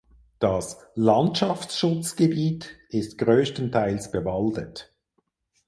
Das Landschaftsschutzgebiet ist größtenteils bewaldet.